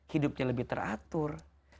hidupnya lebih teratur